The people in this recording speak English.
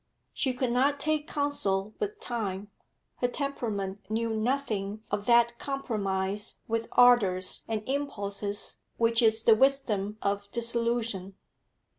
She could not take counsel with time; her temperament knew nothing of that compromise with ardours and impulses which is the wisdom of disillusion.